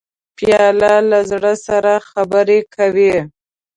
پیاله له زړه سره خبرې کوي.